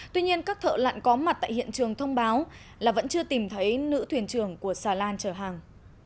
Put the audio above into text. tuy nhiên các thợ lặn có mặt tại hiện trường thông báo là vẫn chưa tìm thấy nữ thuyền trưởng của xà lan chở hàng